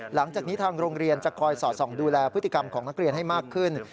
หลังจากนี้ทางโรงเรียนจะคอยสอดส่องดูแลพฤติกรรมของนักเรียนให้มากขึ้น